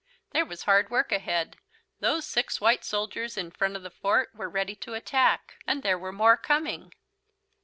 There was hard work ahead. Those six white soldiers in front of the fort were ready to attack. And there were more coming.